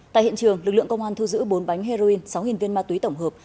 tại hiện trường lực lượng công an thu giữ bốn bánh heroin sáu hình viên ma túy tổng hợp